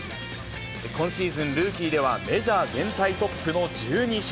今シーズン、ルーキーではメジャー全体トップの１２勝。